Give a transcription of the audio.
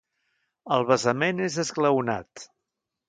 El basament és esglaonat.